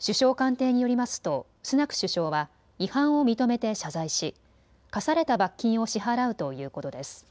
首相官邸によりますとスナク首相は違反を認めて謝罪し科された罰金を支払うということです。